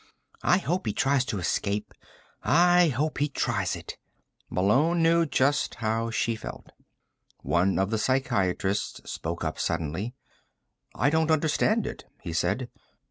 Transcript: "I hope he tries to escape. I hope he tries it." Malone knew just how she felt. One of the psychiatrists spoke up suddenly. "I don't understand it," he said.